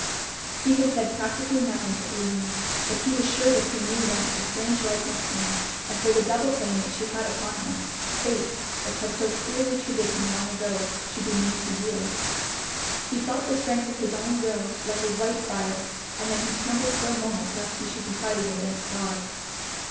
He had said practically nothing to Aline, but he was sure that he knew whence the strange likeness came; and for the double claim that she had upon him, fate, that had so cruelly treated him long ago, should be made to yield. He felt the strength of his own will like a white fire and then he trembled for a moment lest he should be fighting against God.